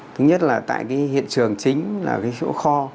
thứ nhất là tại hiện trường chính là chỗ kho